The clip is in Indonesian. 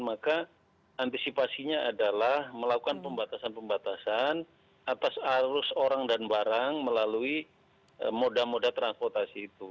maka antisipasinya adalah melakukan pembatasan pembatasan atas arus orang dan barang melalui moda moda transportasi itu